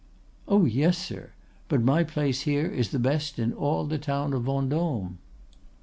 "'Oh yes, sir. But my place here is the best in all the town of Vendôme.